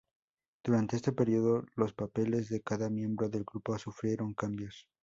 Durante este periodo, los papeles de cada miembro del grupo sufrieron cambios.